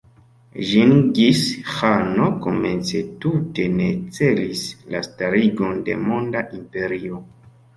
Ĝingis-ĥano komence tute ne celis la starigon de monda imperio.